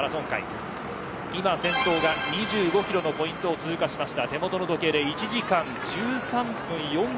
先頭が２５キロのポイントを通過しました。